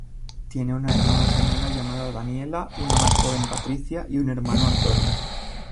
Tiene una hermana gemela llamada Daniela, una más joven Patricia y un hermano, Antonio.